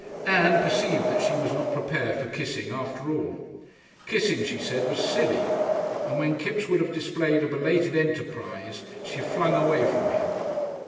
Ann perceived that she was not prepared for kissing after all. Kissing, she said, was silly, and when Kipps would have displayed a belated enterprise, she flung away from him.